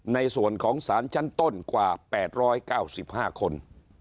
ในส่วนของสารชั้นต้นกว่า๘๙๕คน